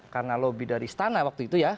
karena lobby dari istana waktu itu ya